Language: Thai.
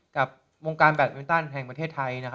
กับวงการแบตมินตันแห่งประเทศไทย